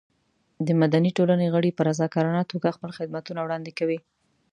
د مدني ټولنې غړي په رضاکارانه توګه خپل خدمتونه وړاندې کوي.